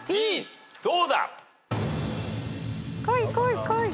どうだ？